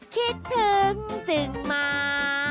คิดถึงจึงมา